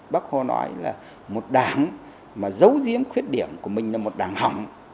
bác hồ nói là một đảng mà giấu giếm khuyết điểm của mình là một đảng hỏng